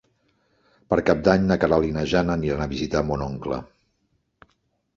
Per Cap d'Any na Queralt i na Jana aniran a visitar mon oncle.